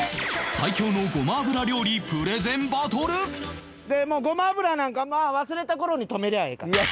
最強のごま油料理プレゼンバトル！でもうごま油なんか忘れた頃に止めりゃあええから。